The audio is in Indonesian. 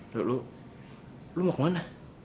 lo lo mau kemana